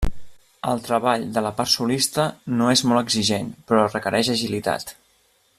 El treball de la part solista no és molt exigent, però requereix agilitat.